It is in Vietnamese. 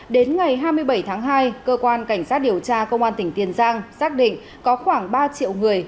đến ngày hai mươi bảy tháng hai cơ quan cảnh sát điều tra công an tỉnh tiền giang xác định có khoảng ba triệu người